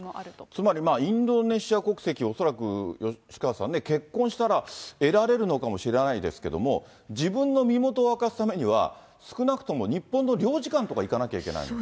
つまりインドネシア国籍を恐らく、吉川さんね、結婚したら得られるのかもしれないですけれども、自分の身元を明かすためには、少なくとも日本の領事館とか行かなきゃいけないと。